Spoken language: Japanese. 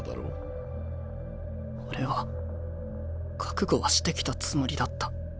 心の声俺は覚悟はしてきたつもりだった。